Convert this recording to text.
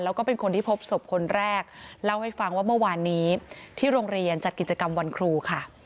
แล้วก็เป็นคนที่พบศพคนแรกเล่าให้ฟังว่าเมื่อวานนี้ที่โรงเรียนจัดกิจกรรมวันครูค่ะ